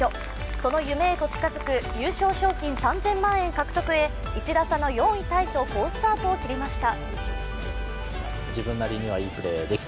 その夢へと近づく優勝賞金３０００万円獲得へ１打差の４位タイと好スタートを切りました。